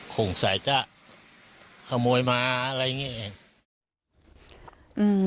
คงใส่จะขโมยมาอะไรอย่างนี้